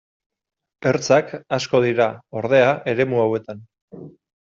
Ertzak asko dira, ordea, eremu hauetan.